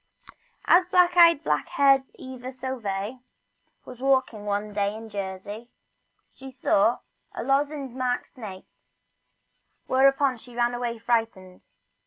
AS black eyed, black haired Eva Sauvet was walking one day in Jersey she saw a lozenge marked snake, whereupon she ran away frightened.